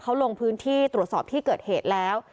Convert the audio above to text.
เขาลงพื้นที่ตรวจสอบที่เกิดเหตุแล้ว